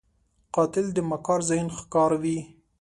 قاتل د مکار ذهن ښکار وي